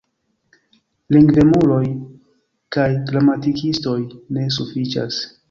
Lingvemuloj kaj gramatikistoj ne sufiĉas.